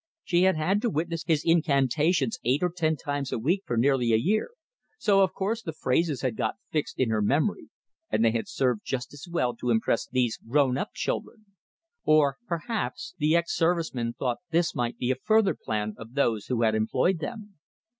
She had had to witness his incantations eight or ten times a week for nearly a year, so of course the phrases had got fixed in her memory, and they had served just as well to impress these grown up children. Or perhaps the ex servicemen thought this might be a further plan of those who had employed them.